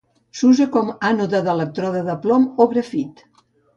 S'usa com a ànode un elèctrode de plom o grafit.